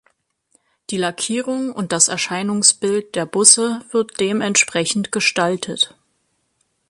Die Lackierung und das Erscheinungsbild der Busse wird dementsprechend gestaltet.